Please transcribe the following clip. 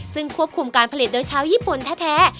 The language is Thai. ซึ่งควบคุมการผลิตโดยชาวญี่ปุ่นแท้